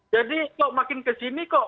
jadi kok makin kesini kok